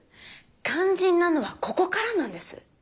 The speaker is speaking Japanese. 肝心なのはここからなんです。